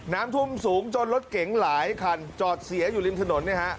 น้ำท่วมสูงจนรถเก๋งหลายคันจอดเสียอยู่ริมถนนเนี่ยฮะ